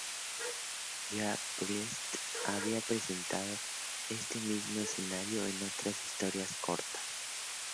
Ya Priest había presentado este mismo escenario en otras historias cortas.